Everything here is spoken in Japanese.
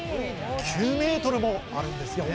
９ｍもあるんですよね。